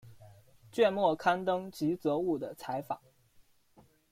卷末刊登吉泽务的采访。